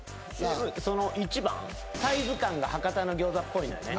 １番サイズ感が博多の餃子っぽいのよね